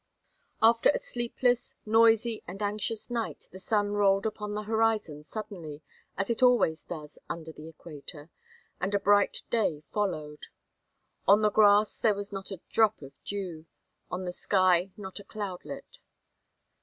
After a sleepless, noisy, and anxious night the sun rolled upon the horizon suddenly, as it always does under the equator, and a bright day followed. On the grass there was not a drop of dew; on the sky not a cloudlet.